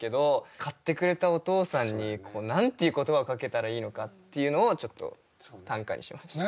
買ってくれたお父さんに何ていう言葉をかけたらいいのかっていうのをちょっと短歌にしました。